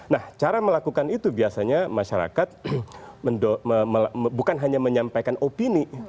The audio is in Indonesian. nah cara melakukan itu biasanya masyarakat bukan hanya menyampaikan opini